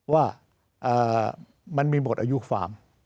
ว่ามันมีหมดอายุฟาร์ม